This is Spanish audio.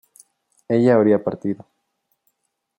ella habría partido